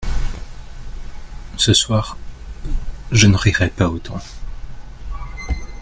Ce soir je ne rirai pas autant.